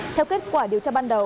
theo kết quả điều tra ban đầu